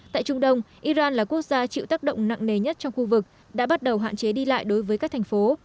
tại trung đông iran là quốc gia chịu tác động nặng nề nhất trong khu vực đã bắt đầu hạn chế đi lại đối với các thành phố